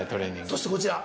そしてこちら。